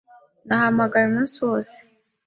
Nahamagaye umunsi wose.